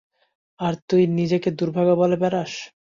আর তুই নিজেকে দুর্ভাগা বলে বেড়াস।